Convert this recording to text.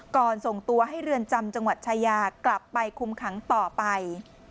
ส่งตัวให้เรือนจำจังหวัดชายากลับไปคุมขังต่อไป